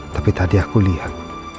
tapi tadi aku lihat